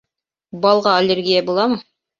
Балға аллергия буламы?